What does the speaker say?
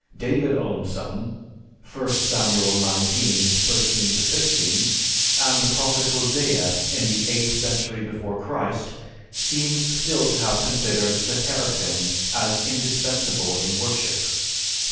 David owned some (I Samuel XIX, 13 16), and the prophet Hosea, in the eighth century before Christ, seems still to have considered the "teraphim" as indispensable in worship (Hos.